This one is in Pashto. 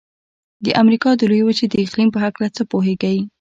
د امریکا د لویې وچې د اقلیم په هلکه څه پوهیږئ؟